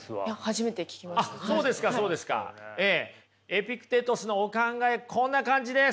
エピクテトスのお考えこんな感じです。